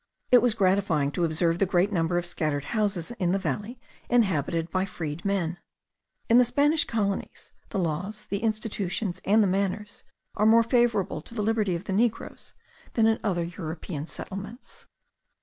It was gratifying to observe the great number of scattered houses in the valley inhabited by freedmen. In the Spanish colonies, the laws, the institutions, and the manners, are more favourable to the liberty of the negroes than in other European settlements.